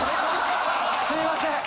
すいません